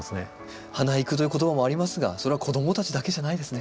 花育という言葉もありますがそれは子供たちだけじゃないですね。